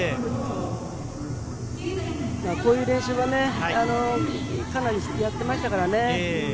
こういう練習はかなりやっていましたからね。